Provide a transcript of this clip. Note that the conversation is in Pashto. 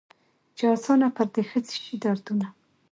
چي آسانه پر دې ښځي سي دردونه